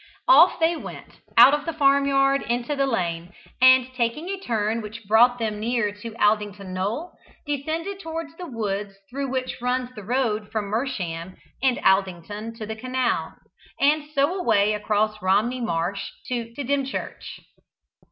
Off they went, out of the farmyard into the lane, and taking a turn which brought them near to Aldington Knoll, descended towards the woods through which runs the road from Mersham and Aldington to the canal, and so away across Romney Marsh to Dymchurch.